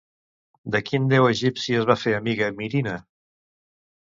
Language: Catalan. De quin déu egipci es va fer amiga Mirina?